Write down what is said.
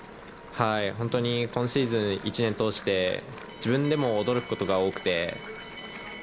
本当に今シーズン１年通して自分でも驚くことが多くて。